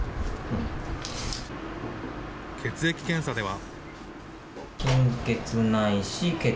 血液検査では。